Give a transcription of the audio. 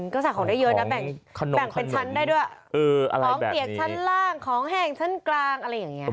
ก็สั่งของได้เยอะนะแบ่งเป็นชั้นได้ด้วยของเปียกชั้นล่างของแห้งชั้นกลางอะไรอย่างนี้